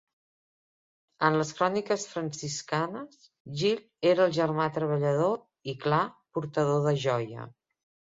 En les cròniques franciscanes, Gil era el germà treballador i clar, portador de joia.